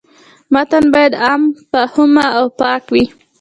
متن باید عام فهمه او پاک وي.